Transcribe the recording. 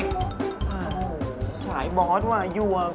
อ้าวชายบอสว่ะอายวก